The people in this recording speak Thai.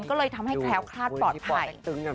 ก็เลยทำให้แคล้วคลาดปลอดภัย